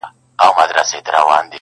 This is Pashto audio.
چي یې منکر دی هغه نادان دی-